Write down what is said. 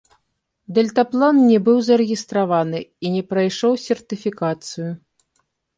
Дэльтаплан не быў зарэгістраваны і не прайшоў сертыфікацыю.